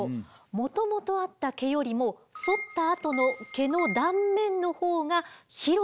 もともとあった毛よりもそったあとの毛の断面の方が広く見えませんか？